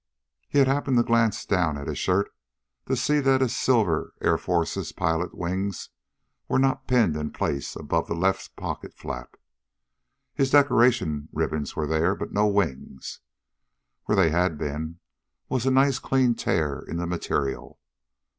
He had happened to glance down at his shirt to see that his silver Air Forces pilot's wings were not pinned in place above the left pocket flap. His decoration ribbons were there, but no wings. Where they had been was a nice clean tear in the material.